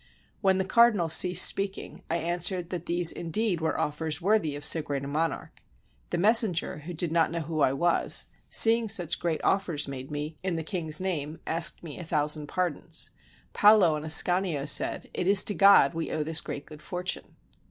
When the cardinal ceased speaking, I answered that these indeed were offers worthy of so great a monarch. The messenger, who did not know who I was, seeing such great offers made me in the 233 FRANCE king's name, asked me a thousand pardons. Paolo and Ascanio said, "It is to God we owe this great good fortune."